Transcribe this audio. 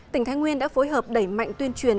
tỉnh thái nguyên đã phối hợp đẩy mạnh tuyên truyền